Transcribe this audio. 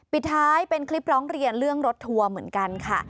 ปิดท้ายเป็นคลิปร้องเรียนเรื่องรถทัวร์เหมือนกันค่ะ